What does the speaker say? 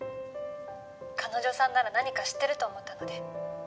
「彼女さんなら何か知ってると思ったので」